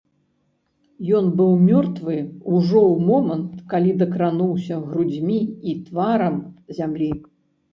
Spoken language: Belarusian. Ён быў мёртвы ўжо ў момант, калі дакрануўся грудзьмі і тварам зямлі.